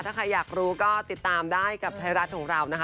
ถ้าใครอยากรู้ก็ติดตามได้กับไทยรัฐของเรานะคะ